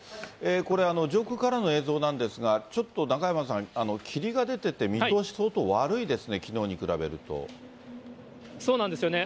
これ、上空からの映像なんですが、ちょっと中山さん、霧が出てて、見通し、相当悪いですね、そうなんですよね。